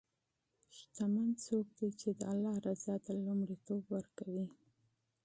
شتمن څوک دی چې د الله رضا ته لومړیتوب ورکوي.